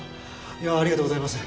ありがとうございます。